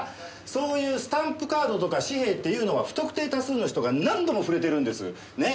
そういうスタンプカードとか紙幣っていうのは不特定多数の人が何度も触れてるんです。ね。